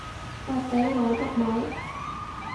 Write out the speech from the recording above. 發畀我得冇